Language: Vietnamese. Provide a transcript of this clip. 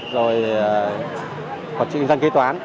rồi hoạt truyện doanh kế toán